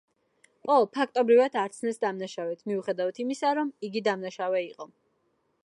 პო ფაქტობრივად არ ცნეს დამნაშავედ, მიუხედავად იმისა, რომ იგი დამნაშავე იყო.